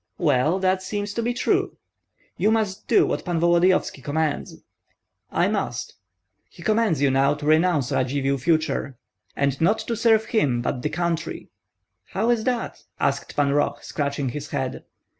"Well, that seems to be true." "You must do what Pan Volodyovski commands." "I must." "He commands you now to renounce Radzivill for the future, and not to serve him, but the country." "How is that?" asked Pan Roh, scratching his head.